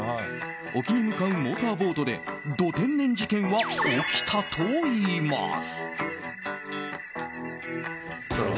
沖に向かうモーターボートでド天然事件は起きたといいます。